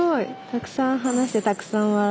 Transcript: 「たくさん話してたくさん笑う」。